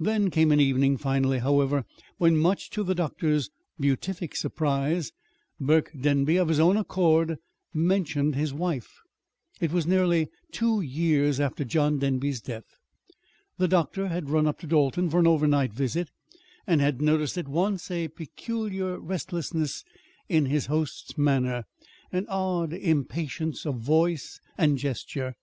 There came an evening finally, however, when, much to the doctor's beatific surprise, Burke Denby, of his own accord, mentioned his wife. It was nearly two years after John Denby's death. The doctor had run up to Dalton for an overnight visit, and had noticed at once a peculiar restlessness in his host's manner, an odd impatience of voice and gesture.